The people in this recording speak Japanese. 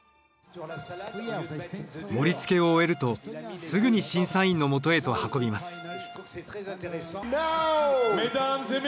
盛りつけを終えるとすぐに審査員のもとへと運びます。